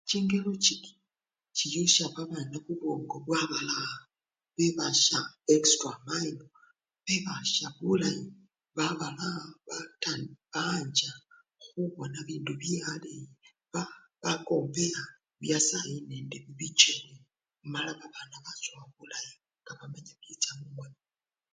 Chingelo chichindi chiyusya babana bubwongo bwaba nga bwibasya extra mayindi bebasya bulayi baba! bancha khubona bibindu bye-aleyi oba bakombeya byasayi nende bibicha ebweni mala babana bachowa bulayi mala limenya nelicha bulayi.